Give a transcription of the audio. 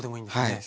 はい。